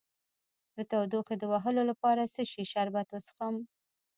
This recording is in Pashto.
د تودوخې د وهلو لپاره د څه شي شربت وڅښم؟